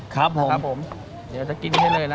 ครับผมจะกินให้เลยนะฮะ